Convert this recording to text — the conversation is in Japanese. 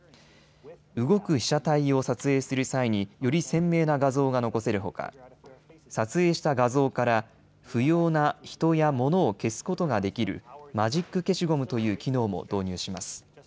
動く被写体を撮影する際により鮮明な画像が残せるほか撮影した画像から不要な人や物を消すことができるマジック消しゴムという機能も導入します。